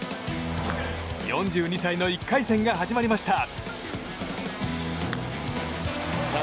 ４２歳の１回戦が始まりました。